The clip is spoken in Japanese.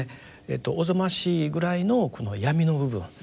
おぞましいぐらいの闇の部分